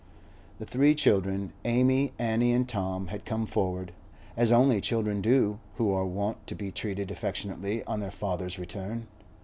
The three children, Amy, Annie, and Tom, had come forward, as only children do who are wont to be treated affectionately on their father's return.